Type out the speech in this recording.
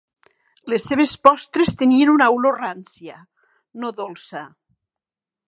Les seves postres tenien una olor rància, no dolça.